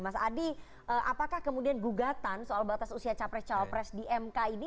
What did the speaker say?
mas adi apakah kemudian gugatan soal batas usia capres cawapres di mk ini